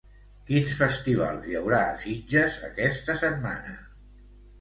Quins festivals hi haurà a Sitges aquesta setmana?